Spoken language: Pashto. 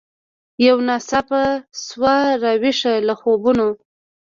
یو ناڅاپه سوه را ویښه له خوبونو